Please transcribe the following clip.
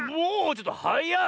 ちょっとはやっ！